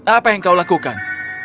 apa yang kau lakukan